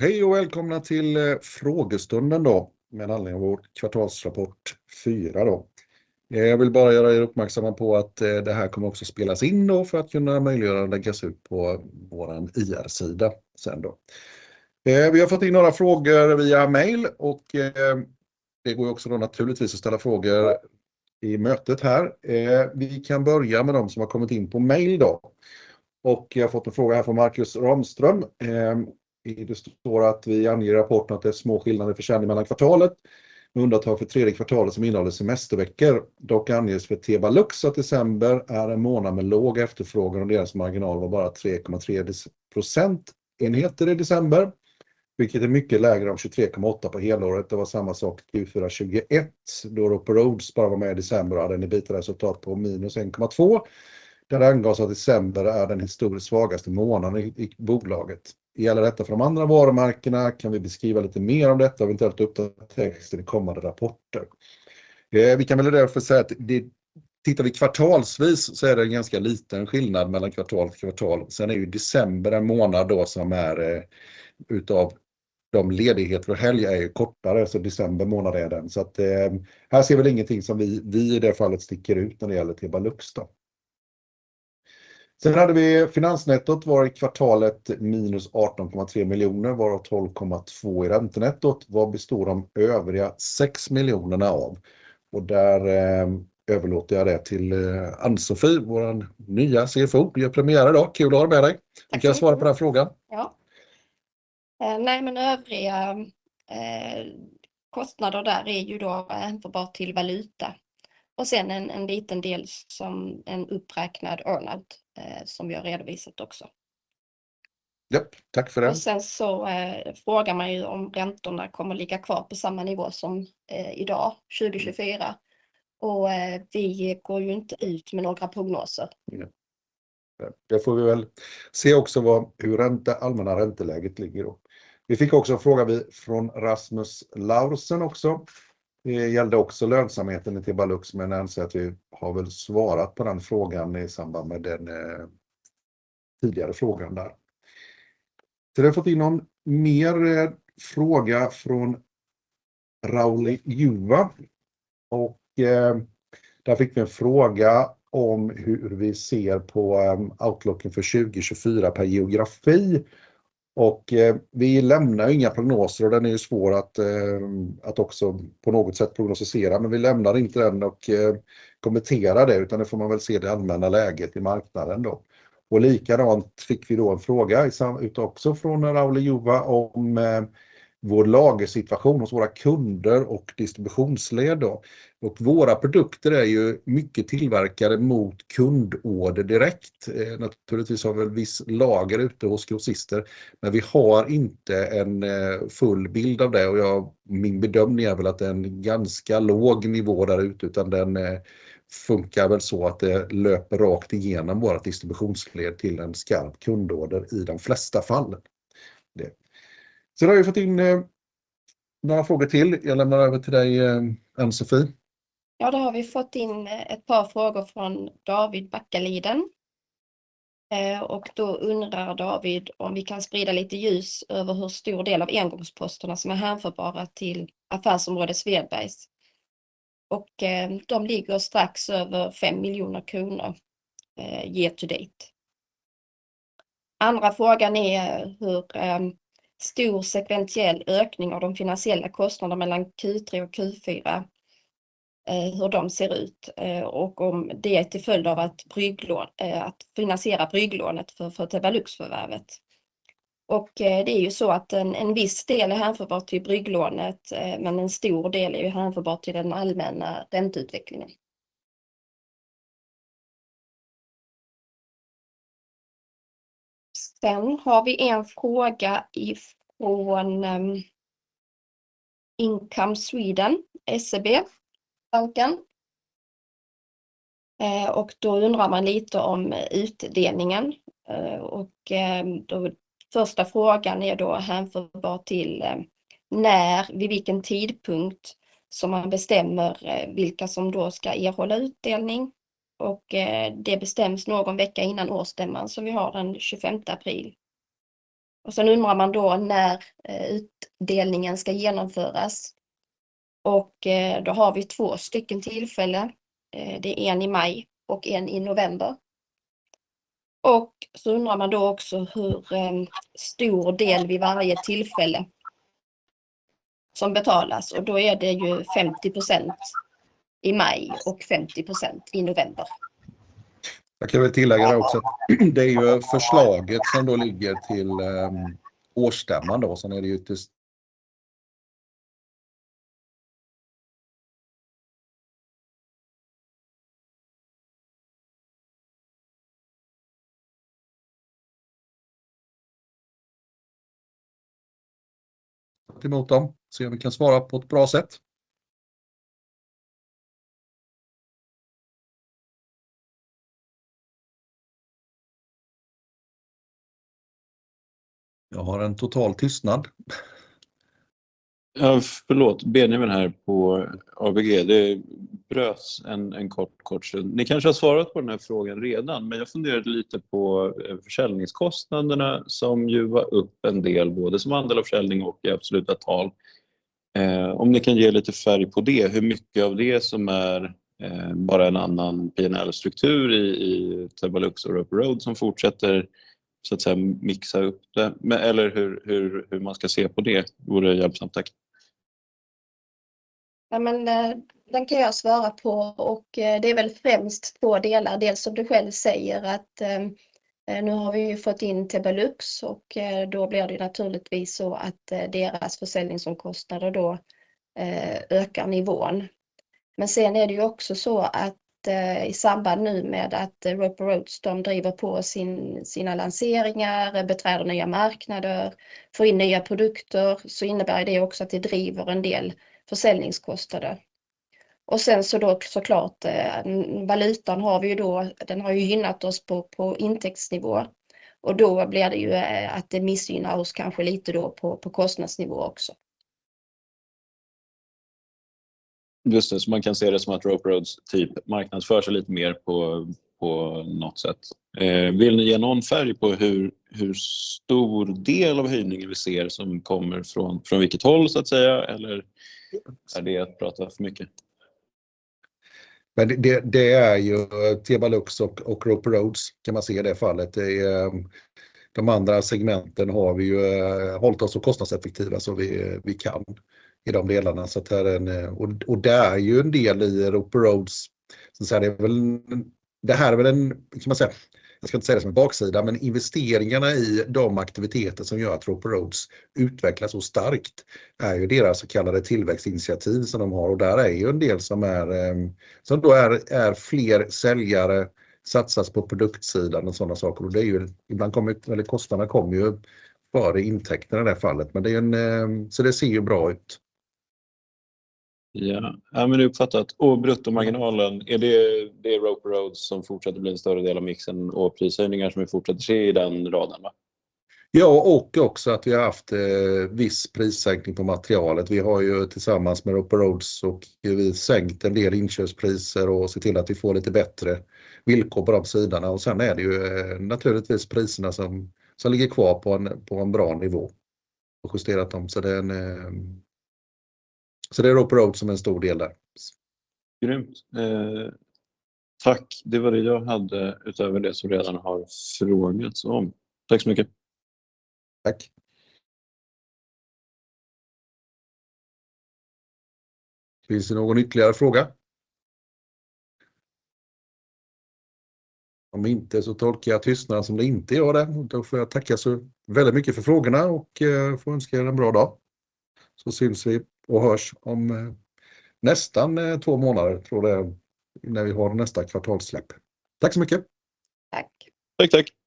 Hej och välkomna till frågestunden med anledning av vår kvartalsrapport fyra. Jag vill bara göra er uppmärksamma på att det här kommer också spelas in för att kunna möjliggöra och läggas ut på vår IR-sida sedan. Vi har fått in några frågor via mail och det går också naturligtvis att ställa frågor i mötet här. Vi kan börja med de som har kommit in på mail. Jag har fått en fråga här från Markus Ramström. Det står att vi anger i rapporten att det är små skillnader i försäljning mellan kvartalet, med undantag för tredje kvartalet som innehållit semesterveckor. Dock anges för Tebalux att december är en månad med låg efterfrågan och deras marginal var bara 3,3% enheter i december, vilket är mycket lägre än 23,8% på helåret. Det var samma sak Q4 2021, då Rock on Roads bara var med i december och hade en EBIT-resultat på minus 1,2. Det angavs att december är den historiskt svagaste månaden i bolaget. Gäller detta för de andra varumärkena? Kan vi beskriva lite mer om detta? Har vi inte uppdaterat i kommande rapporter. Vi kan därför säga att tittar vi kvartalsvis så är det en ganska liten skillnad mellan kvartal och kvartal. Sen är ju december en månad då som är utav de ledigheter och helger är ju kortare, så december månad är den. Så att här ser vi ingenting som vi, vi i det fallet sticker ut när det gäller Tebalux då. Sen hade vi finansnettot, var i kvartalet minus 18,3 miljoner, varav 12,2 i räntenettot. Vad består de övriga sex miljonerna av? Och där överlåter jag det till Ann-Sofie, vår nya CFO. Du gör premiär idag. Kul att ha dig med dig! Du kan svara på den frågan. Ja, nej men övriga kostnader där är ju då hänförbart till valuta. Och sedan en, en liten del som en uppräknad earn out som vi har redovisat också. Ja, tack för det. Sen så frågar man ju om räntorna kommer att ligga kvar på samma nivå som idag, 2024. Och vi går ju inte ut med några prognoser. Det får vi väl se också vad, hur allmänna ränteläget ligger då. Vi fick också en fråga från Rasmus Laursen också. Det gällde också lönsamheten i Tebalux, men jag tänker att vi har väl svarat på den frågan i samband med den tidigare frågan där. Sen har jag fått in någon mer fråga från Rauli Juva och där fick vi en fråga om hur vi ser på outlooken för 2024 per geografi. Vi lämnar inga prognoser och den är ju svår att också på något sätt prognostisera, men vi lämnar inte den och kommentera det, utan det får man väl se det allmänna läget i marknaden då. Likadant fick vi då en fråga också från Rauli Juva om vår lagersituation hos våra kunder och distributionsled då. Våra produkter är ju mycket tillverkade mot kundorder direkt. Naturligtvis har vi en viss lager ute hos grossister, men vi har inte en full bild av det och jag, min bedömning är väl att det är en ganska låg nivå där ute, utan den funkar väl så att det löper rakt igenom vårt distributionsled till en skarp kundorder i de flesta fallen. Så då har vi fått in några frågor till. Jag lämnar över till dig, Ann-Sofie. Ja, då har vi fått in ett par frågor från David Backaliden. David undrar om vi kan sprida lite ljus över hur stor del av engångsposterna som är hänförbara till affärsområdet Svedbergs. De ligger strax över fem miljoner kronor, year to date. Andra frågan är hur stor sekventiell ökning av de finansiella kostnaderna mellan Q3 och Q4, hur de ser ut och om det är till följd av brygglån att finansiera brygglånet för Tebalux-förvärvet. Det är ju så att en viss del är hänförbart till brygglånet, men en stor del är ju hänförbart till den allmänna ränteutvecklingen. Sen har vi en fråga ifrån Income Sweden, SEB, banken. Och då undrar man lite om utdelningen och då första frågan är då hänförbar till när, vid vilken tidpunkt, som man bestämmer vilka som då ska erhålla utdelning och det bestäms någon vecka innan årsstämman, så vi har den tjugofemte april. Och sen undrar man då när utdelningen ska genomföras. Och då har vi två stycken tillfällen. Det är en i maj och en i november. Och så undrar man då också hur stor del vid varje tillfälle som betalas och då är det ju 50% i maj och 50% i november. Jag kan väl tillägga det också, att det är ju förslaget som då ligger till årsstämman då. Sen är det ju till... Mot dem, se om vi kan svara på ett bra sätt. Jag har en total tystnad. Förlåt, Benjamin här på ABG. Det bröts en kort stund. Ni kanske har svarat på den här frågan redan, men jag funderade lite på försäljningskostnaderna som ju var upp en del, både som andel av försäljning och i absoluta tal. Om ni kan ge lite färg på det, hur mycket av det som är bara en annan P&L-struktur i Tebalux och RopeRoads som fortsätter så att säga mixa upp det? Eller hur man ska se på det vore hjälpsamt, tack! Ja, men den kan jag svara på och det är väl främst två delar. Dels som du själv säger, att nu har vi ju fått in Tebalux och då blir det naturligtvis så att deras försäljningsomkostnader då ökar nivån. Men sen är det ju också så att i samband nu med att RopeRoads, de driver på sina lanseringar, beträder nya marknader, får in nya produkter, så innebär det också att det driver en del försäljningskostnader. Och sen så då så klart, valutan har vi ju då, den har ju gynnat oss på intäktsnivå och då blir det ju att det missgynnar oss kanske lite då på kostnadsnivå också. Just det, så man kan se det som att RopeRoads typ marknadsför sig lite mer på, på något sätt. Vill ni ge någon färg på hur, hur stor del av höjningen vi ser som kommer från, från vilket håll så att säga? Eller är det att prata för mycket? Men det, det är ju Tebalux och RopeRoads kan man se i det fallet. Det är - de andra segmenten har vi ju hållit oss så kostnadseffektiva som vi kan i de delarna. Så att det är en, och det är ju en del i RopeRoads. Så det här är väl, det här är väl en, ska man säga, jag ska inte säga det som baksida, men investeringarna i de aktiviteter som gör att RopeRoads utvecklas så starkt är ju deras så kallade tillväxtinitiativ som de har. Och där är ju en del som är, som då är fler säljare, satsas på produktsidan och sådana saker. Och det är ju, ibland kommer det, eller kostnaderna kommer ju före intäkterna i det här fallet, men det är en... Så det ser ju bra ut. Ja, det är uppfattat och bruttomarginalen, är det, det är RopeRoads som fortsätter att bli en större del av mixen och prishöjningar som vi fortsätter se i den raden va? Ja, och också att vi har haft viss prissänkning på materialet. Vi har ju tillsammans med RopeRoads sänkt en del inköpspriser och sett till att vi får lite bättre villkor på de sidorna. Och sen är det ju naturligtvis priserna som ligger kvar på en bra nivå och justerat dem. Så det är RopeRoads som är en stor del där. Grymt! Tack, det var det jag hade utöver det som redan har förfrågats om. Tack så mycket. Tack. Finns det någon ytterligare fråga? Om inte så tolkar jag tystnaden som att det inte är det. Då får jag tacka så väldigt mycket för frågorna och får önska er en bra dag. Vi syns och hörs om nästan två månader tror det är, när vi har nästa kvartalssläpp. Tack så mycket! Tack. Tack, tack!